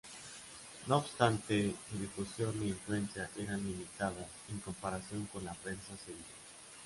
No obstante, su difusión e influencia eran limitadas en comparación con la prensa sevillana.